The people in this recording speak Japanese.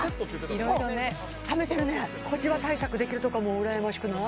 いろいろね試せるね小じわ対策できるとかもうらやましくない？